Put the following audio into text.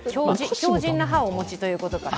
強じんな歯をお持ちということかな。